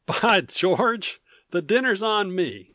"By George! the dinner's on me!"